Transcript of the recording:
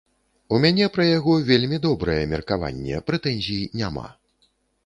У мяне пра яго вельмі добрае меркаванне, прэтэнзій няма.